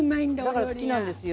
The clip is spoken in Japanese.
だから好きなんですよ